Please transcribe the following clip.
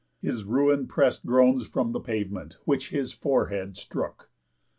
His ruin prest Groans from the pavement, which his forehead strook.